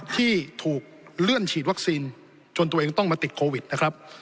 ที่ถูกเลื่อนฉีดวัคซีนจนตัวเองต้องมาติดโควิดนะครับ